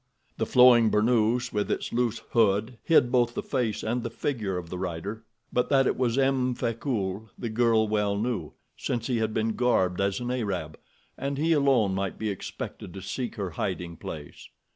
The flowing burnoose, with its loose hood, hid both the face and the figure of the rider; but that it was M. Frecoult the girl well knew, since he had been garbed as an Arab, and he alone might be expected to seek her hiding place.